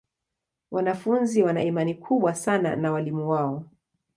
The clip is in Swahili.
Wanafunzi wana imani kubwa sana na walimu wao.